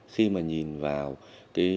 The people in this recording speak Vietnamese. khi mà nhìn vào cái